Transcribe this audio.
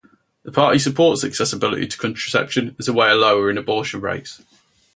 The party supports accessibility to contraception as a way of lowering abortion rates.